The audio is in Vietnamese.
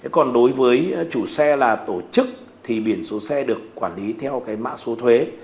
còn đối với chủ xe là tổ chức thì biển số xe được quản lý theo cái mã số thuế